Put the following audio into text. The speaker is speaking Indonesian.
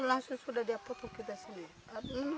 langsung sudah dia potong kita sini